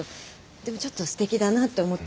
でもちょっとすてきだなと思ったりしてて。